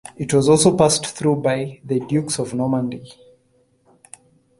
It was also passed through by the Dukes of Normandy.